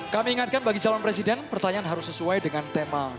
kami ingatkan bagi calon presiden pertanyaan harus sesuai dengan tema